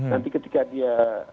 nanti ketika dia